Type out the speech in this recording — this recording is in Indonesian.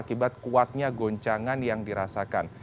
akibat kuatnya goncangan yang dirasakan